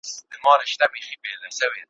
له غړومبي چي وېرېدلی وو پښېمان سو `